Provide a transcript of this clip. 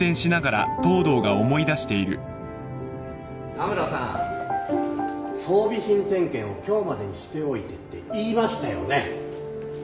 田村さん装備品点検を今日までにしておいてって言いましたよね